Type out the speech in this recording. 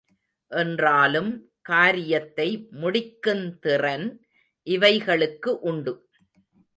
என்றாலும் காரியத்தை முடிக்குந் திறன் இவைகளுக்கு உண்டு.